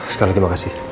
sekali lagi makasih